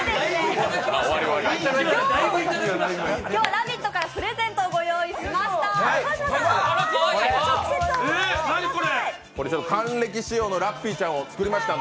今日は「ラヴィット！」からプレゼントをご用意しました。